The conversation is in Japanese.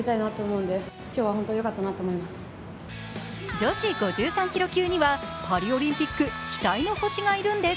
女子５３ｋｇ級にはパリオリンピック期待の星がいるんです。